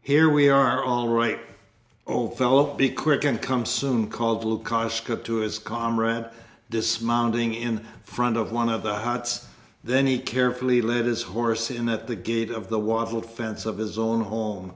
"Here we are all right, old fellow! Be quick and come soon!" called Lukashka to his comrade, dismounting in front of one of the huts; then he carefully led his horse in at the gate of the wattle fence of his own home.